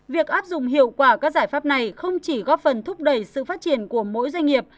việc áp dụng hiệu quả các giải pháp này không chỉ góp phần thúc đẩy sự phát triển của mỗi doanh nghiệp